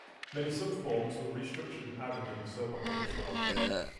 Many sub-forums were restructured and added in this overhaul as well.